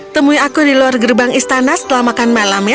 temui aku di luar gerbang istana setelah makan malam ya